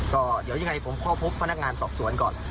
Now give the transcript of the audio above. ก็เดี๋ยวยังไงผมเข้าพบพนักงานสอบสวนก่อน